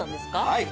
はい。